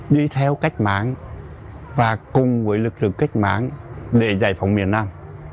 đi theo cách mạng và cùng với lực lượng cách mạng để giải phóng miền nam